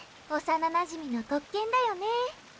幼なじみの特権だよね。